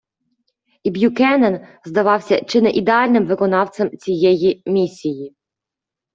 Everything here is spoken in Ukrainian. І Б’юкенен здавався чи не ідеальним виконавцем цієї місії.